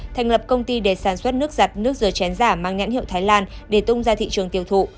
thành lập công ty để sản xuất nước giặt nước rửa chén giả mang nhãn hiệu thái lan để tung ra thị trường tiêu thụ